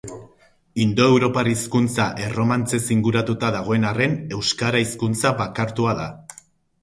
Indoeuropar hizkuntza erromantzez inguratuta dagoen arren, euskara hizkuntza bakartua da